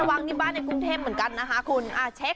พี่พินโย